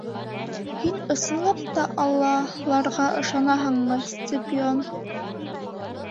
Һин ысынлап та Аллаларға ышанаһыңмы, Сципион?